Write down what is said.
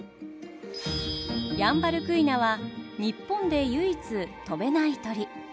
ヤンバルクイナは日本で唯一飛べない鳥。